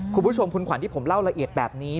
คุณผู้ชมคุณขวัญที่ผมเล่าละเอียดแบบนี้